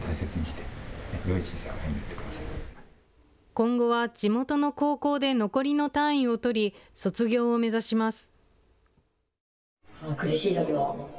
今後は地元の高校で残りの単位を取り、卒業を目指します。